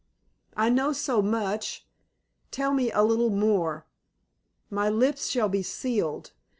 I know so much tell me a little more. My lips shall be sealed.